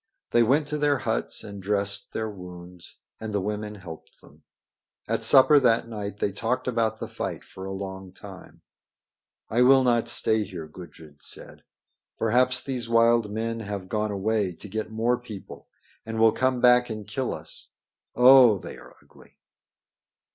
They went to their huts and dressed their wounds, and the women helped them. At supper that night they talked about the fight for a long time. "I will not stay here," Gudrid said. "Perhaps these wild men have gone away to get more people and will come back and kill us. Oh! they are ugly."